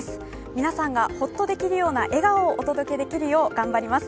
皆さんがホッとできるような笑顔をお届けできるよう頑張ります。